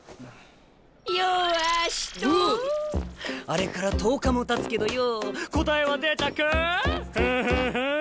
あれから１０日もたつけどよう答えは出たかあ？